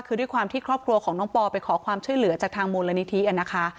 คือด้วยความที่ครอบครัวของน้องปอไปขอความช่วยเหลือจากทางมูลนิธินะคะ